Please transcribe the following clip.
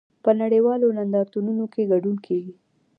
په نړیوالو نندارتونونو کې ګډون کیږي